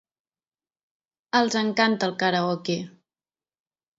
Els encanta el karaoke.